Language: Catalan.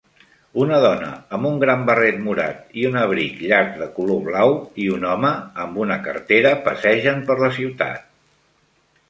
Una dona amb un gran barret morat i un abric llarg de color blau i un home amb una cartera passegen per la ciutat